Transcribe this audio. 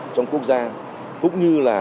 trong quốc gia cũng như là